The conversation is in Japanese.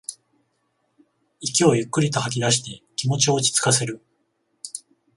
息をゆっくりと吐きだして気持ちを落ちつかせる